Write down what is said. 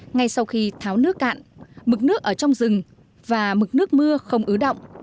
ngay sau khi tháo nước cạn mực nước ở trong rừng và mực nước mưa không ứ động